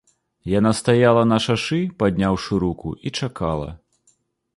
Яна стаяла на шашы, падняўшы руку, і чакала.